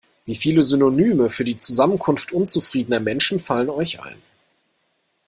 Wie viele Synonyme für die Zusammenkunft unzufriedener Menschen fallen euch ein?